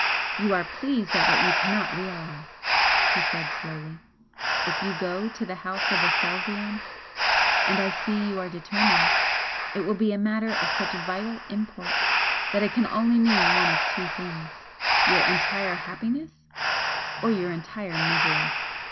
"You are pleased at what you cannot realise," he said, slowly "If you go to the House of Aselzion and I see you are determined it will be a matter of such vital import that it can only mean one of two things, your entire happiness or your entire misery.